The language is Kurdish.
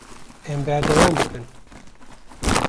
Em berdewam bikin.